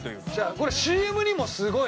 これＣＭにもすごい。